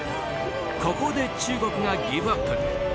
ここで中国がギブアップ。